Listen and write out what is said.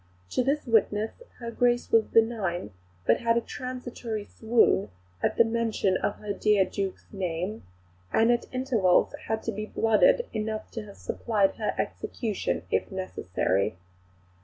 To this witness her Grace was benign, but had a transitory swoon at the mention of her dear Duke's name; and at intervals has been blooded enough to have supplied her execution if necessary.